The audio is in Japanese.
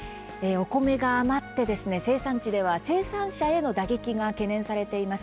お米が余って生産地では生産者への打撃が懸念されています。